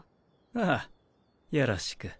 ああよろしく。